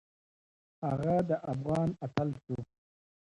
هغه د افغان اتل شو